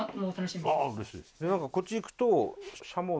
なんかこっち行くと。